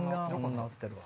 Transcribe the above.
直ってるわ。